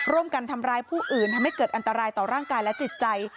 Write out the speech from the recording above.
ร่วมกันทำร้ายผู้อื่นทำให้เกิดอันตรายต่อร่างกายและจิตใจ